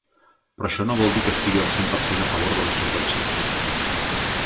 Però això no vol dir que estigui al cent per cent a favor de les subvencions.